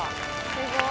すごい。